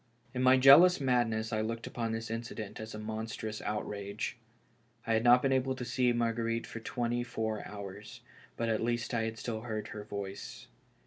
In my jealous madness I looked upon this incident as a monstrous outrage. I had not been able to see Mar guerite for twenty four hours, but at least I had still heard her voice.